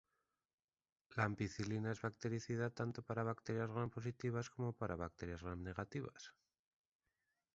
La ampicilina es bactericida tanto para bacterias Gram positivas como para bacterias Gram negativas.